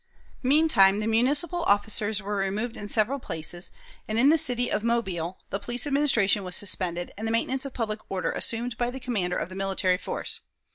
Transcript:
Meantime the municipal officers were removed in several places, and in the city of Mobile the police administration was suspended and the maintenance of public order assumed by the commander of the military force.